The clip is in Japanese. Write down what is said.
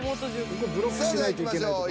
［ここはブロックしないといけないとこ］